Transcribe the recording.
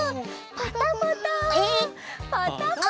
パタパタパタパタ。